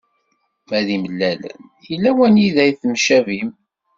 Ma d imalalen, yella wanida i temcabin.